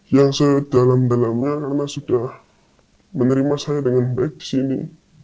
yang sedalam dalamnya karena sudah menerima saya dengan baik di sini